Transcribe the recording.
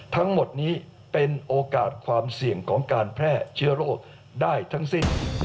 ทั้งหมดนี้เป็นโอกาสความเสี่ยงของการแพร่เชื้อโรคได้ทั้งสิ้น